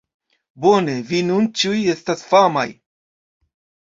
Bone, vi nun ĉiuj estas famaj